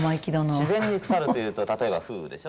自然に腐るというと例えば風雨でしょ。